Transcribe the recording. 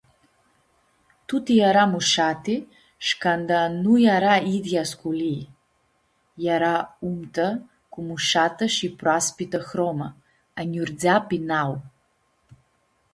Tuti eara mushati sh-canda nu eara idyea sculii, eara umtã cu mushatã shi proaspitã hromã, anjurdzea pi nau.